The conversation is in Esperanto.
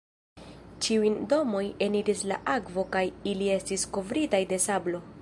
Ĉiujn domojn eniris la akvo kaj ili estis kovritaj de sablo.